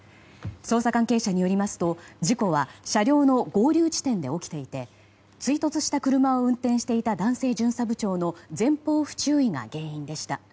捜査関係者によりますと事故は、車両の合流地点で起きていて追突した車を運転していた男性巡査部長の前方不注意が原因でした。